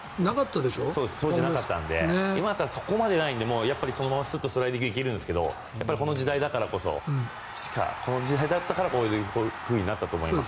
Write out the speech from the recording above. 当時なかったので今だったらそこまではないのでスッとスライディングで行けるんですけどこの時代だったからこそこういうふうになったと思います。